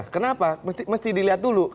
kenapa mesti dilihat dulu